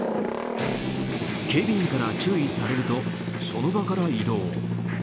警備員から注意されるとその場から移動。